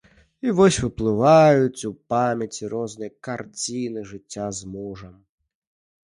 І вось выплываюць у памяці розныя карціны жыцця з мужам.